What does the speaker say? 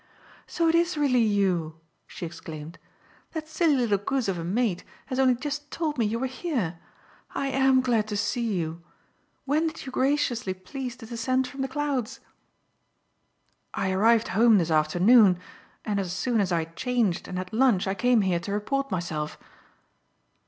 "So it is really you!" she exclaimed. "That silly little goose of a maid has only just told me you were here. I am glad to see you. When did you graciously please to descend from the clouds?" "I arrived home this afternoon, and as soon as I had changed and had lunch I came here to report myself."